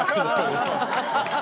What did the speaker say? ハハハハ！